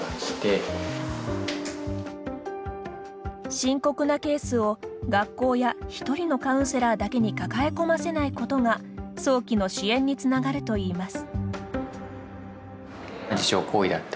深刻なケースを、学校や一人のカウンセラーだけに抱え込ませないことが早期の支援につながるといいます。